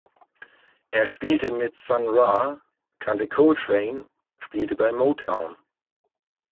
Er spielte mit Sun Ra, kannte Coltrane, spielte bei Motown.